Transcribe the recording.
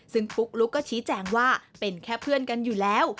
ซึ่งปุ๊กลุ๊กก็ชี้แจงว่าเป็นแค่เพื่อนกันอยู่แล้ว